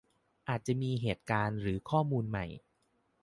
อาจจะมีเหตุการณ์หรือข้อมูลใหม่